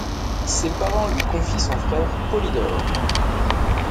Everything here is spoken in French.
Ses parents lui confient son frère Polydore.